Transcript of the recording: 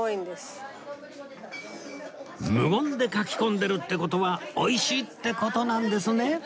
無言でかき込んでるって事は美味しいって事なんですね